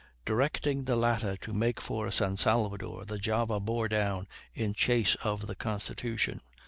Directing the latter to make for San Salvador, the Java bore down in chase of the Constitution.